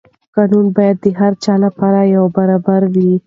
قانون باید د هر چا لپاره یو برابر وي.